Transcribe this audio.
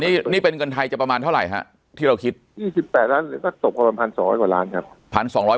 นี่นี่เป็นเงินไทยจะประมาณเท่าไหร่ฮะที่เราคิด๒๘ล้านเหรียญก็ตกประมาณ๑๒๐๐กว่าล้านครับ